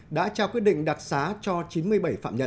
đã trao quyết định đặc xá cho chín mươi bảy phạm nhân